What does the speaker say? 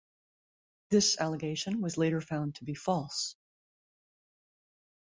This allegation was later found to be false.